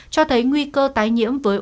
cho thấy nguy cơ tái nhiễm với